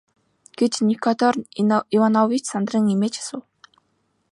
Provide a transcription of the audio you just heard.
гэж Никанор Иванович сандран эмээж асуув.